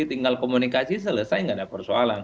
tinggal komunikasi selesai tidak ada persoalan